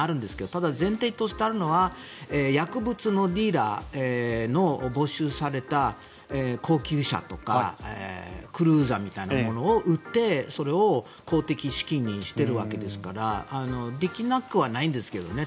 ただ、前提としてあるのはリーダーの没収された高級車とかクルーザーみたいなものを売ってそれを公的資金にしているわけですからできなくはないんですけどね。